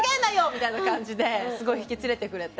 みたいな感じですごい引き連れてくれて。